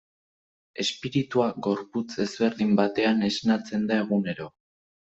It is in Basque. Espiritua gorputz ezberdin batean esnatzen da egunero.